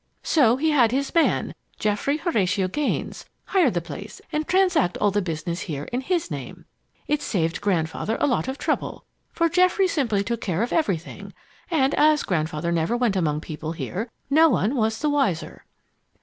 So he had his man, Geoffrey Horatio Gaines, hire the place, and transact all the business here in his name. It saved Grandfather a lot of trouble, for Geoffrey simply took charge of everything; and as Grandfather never went among people here, no one was the wiser.